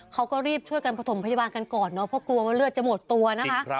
เขาก็รีบช่วยกันประถมพยาบาลกันก่อนเนอะเพราะกลัวว่าเลือดจะหมดตัวนะคะ